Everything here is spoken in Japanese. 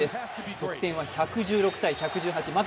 得点は１１６−１１８。